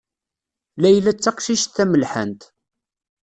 Layla d taqcict tamelḥant.